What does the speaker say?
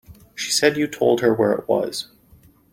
She said you told her where it was.